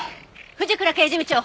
藤倉刑事部長！